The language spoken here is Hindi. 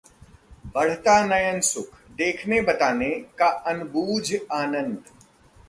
बढ़ता नयनसुख: देखने-बताने का अनबूझ आनंद